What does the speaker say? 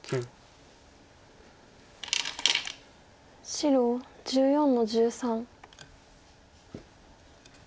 白１４の十三。